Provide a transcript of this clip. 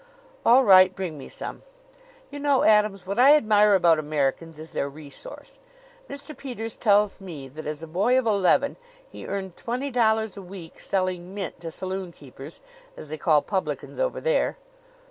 "All right, bring me some. You know, Adams, what I admire about Americans is their resource. Mr. Peters tells me that as a boy of eleven he earned twenty dollars a week selling mint to saloon keepers, as they call publicans over there.